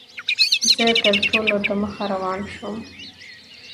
زه تر ټولو دمخه روان شوم.